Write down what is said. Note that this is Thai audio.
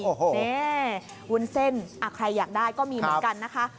โอ้โหนี่วุ้นเส้นใครอยากได้ก็มีเหมือนกันนะคะ